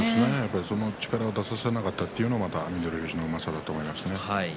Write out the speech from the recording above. その力を出させなかったというのが翠富士のうまさだと思います。